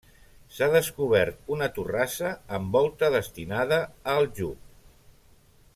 S'ha descobert una torrassa amb volta destinada a aljub.